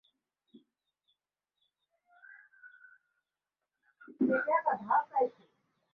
আজ সেই কথাটাই যদি গোপন করি তা হলেই মিথ্যাচরণের অপরাধ হবে।